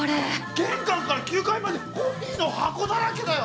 玄関から９階までコピーの箱だらけだよ。